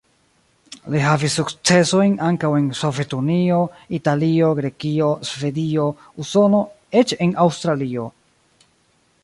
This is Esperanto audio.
Li havis sukcesojn ankaŭ en Sovetunio, Italio, Grekio, Svedio, Usono, eĉ en Aŭstralio.